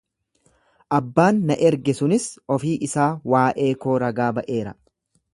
Abbaan na erge sunis ofii isaa waa’ee koo ragaa ba’eera.